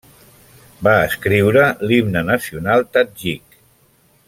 Va escriure l'himne nacional tadjik.